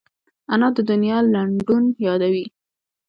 انا د دنیا لنډون یادوي